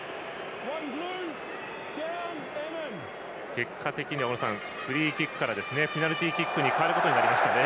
結果的には大野さんフリーキックからペナルティーキックに変わることになりましたね。